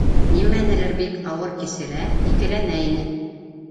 Нимәнелер бик ауыр кисерә, икеләнә ине